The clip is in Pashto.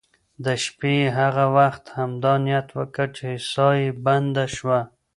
د شپې یې هغه وخت همدا نیت وکړ چې ساه یې بنده شوه.